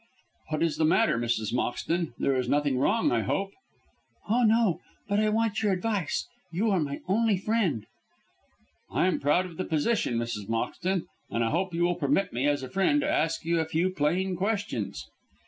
"What is the matter, Mrs. Moxton? There is nothing wrong, I hope." "Oh, no! but I want your advice. You are my only friend." "I am proud of the position, Mrs. Moxton, and I hope you will permit me, as a friend, to ask you a few plain questions?"